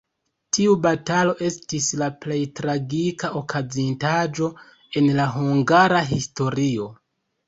Tiu batalo estis la plej tragika okazintaĵo en la hungara historio.